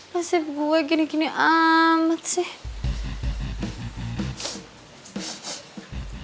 nasib gue gini gini amat sih